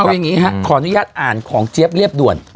เอาอย่างนี้ฮะขออนุญาตอ่านของเจี๊ยบเรียบด่วน